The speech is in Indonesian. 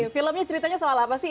filmnya ceritanya soal apa sih